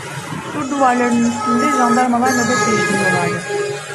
Sur duvarlarının üstünde jandarmalar nöbet değiştiriyorlardı.